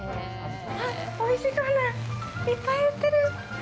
あっ、おいしそうなのがいっぱい売ってる！